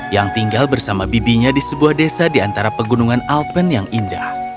yang tinggal bersama bibinya di sebuah desa di antara pegunungan alpen yang indah